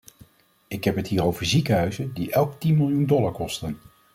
Ik heb het hier over ziekenhuizen die elk tien miljoen dollar kosten.